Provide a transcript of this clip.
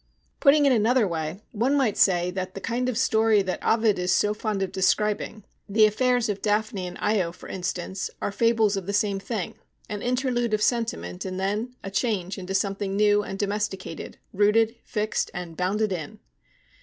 "Putting it in another way, one might say that the kind of story that Ovid is so fond of describing, the affairs of Daphne and Io, for instance, are fables of the same thing: an interlude of sentiment and then a change into something new and domesticated, rooted, fixed, and bounded in."